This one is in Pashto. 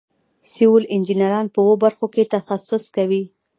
سیول انجینران په اوو برخو کې تخصص کوي.